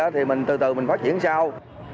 thì từ từ mình phát triển sau